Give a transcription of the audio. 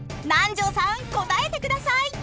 南條さん答えてください！